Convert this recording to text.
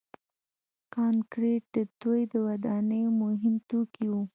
کانکریټ د دوی د ودانیو مهم توکي وو.